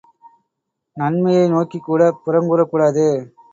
நன்மையை நோக்கிக்கூடப் புறங்கூறக் கூடாது.